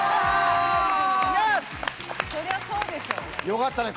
よかったね！